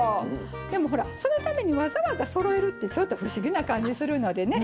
でもほらそのためにわざわざそろえるってちょっと不思議な感じするのでね。